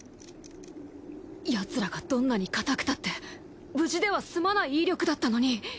ヤツらがどんなに硬くたって無事では済まない威力だったのに